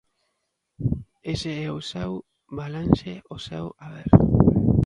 Ese é o seu balance, o seu haber.